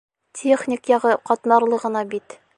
Техник яғы ҡатмарлы ғына бит.